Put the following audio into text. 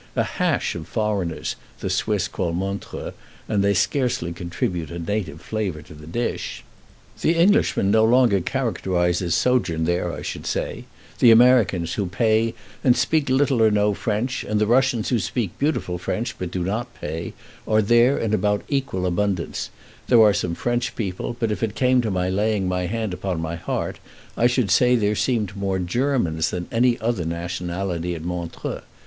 "A hash of foreigners," the Swiss call Montreux, and they scarcely contribute a native flavor to the dish. The Englishman no longer characterizes sojourn there, I should say; the Americans, who pay and speak little or no French, and the Russians, who speak beautiful French but do not pay, are there in about equal abundance; there are some French people; but if it came to my laying my hand upon my heart, I should say there seemed more Germans than any other nationality at Montreux.